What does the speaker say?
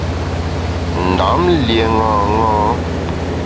Ndam lié ṅaṅâ.